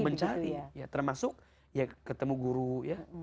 mencari ya termasuk ya ketemu guru ya